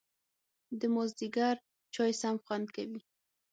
د مازیګر چای سم خوند کوي